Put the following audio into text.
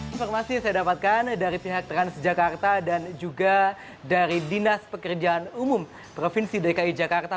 informasi yang saya dapatkan dari pihak transjakarta dan juga dari dinas pekerjaan umum provinsi dki jakarta